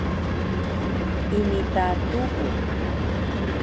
ini ta tubu